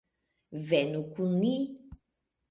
Venu kun ni!